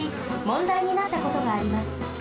もんだいになったことがあります。